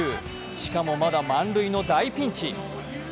しかもまだ満塁の大ピンチ。